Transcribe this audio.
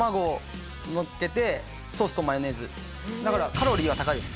だからカロリーは高いです